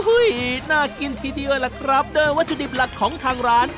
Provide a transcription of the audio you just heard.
น่ากินทีเดียวล่ะครับโดยวัตถุดิบหลักของทางร้าน